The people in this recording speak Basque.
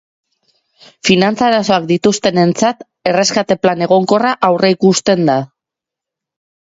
Finantza arazoak dituztenentzat, erreskate plan egonkorra aurreikusten da.